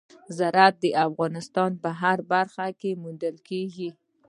زراعت د افغانستان په هره برخه کې موندل کېږي.